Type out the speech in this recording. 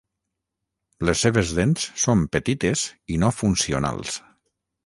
Les seves dents són petites i no funcionals.